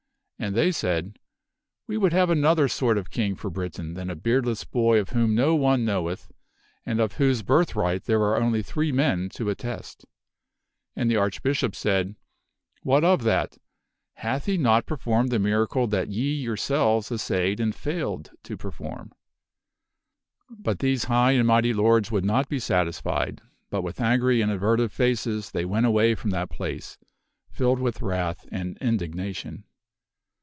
And they said, " We would have another sort of king for Britain than a beardless boy of whom no one knoweth and of whose birthright there are only three men to attest.*' And the Archbishop said ?" What of that ? Hath he not performed the miracle that ye yourselves assayed and failed to perform ?" But these high and mighty lords would not be satisfied, but with angry and averted faces they went away from that place, filled with wrath and indignation.